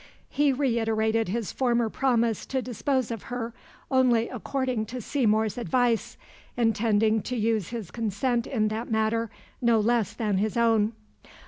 He reiterated his former promise to dispose of her only according to Seymour's advice, intending to use his consent in that matter no less than his own.